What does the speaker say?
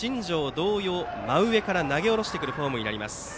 同様、真上から投げ下ろすフォームになります。